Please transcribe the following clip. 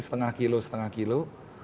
setengah kilo setengah kilo